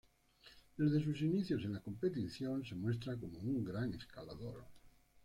Desde sus inicios en la competición, se muestra como un gran escalador.